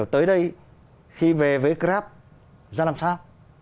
tới đây khi về với grab ra làm sao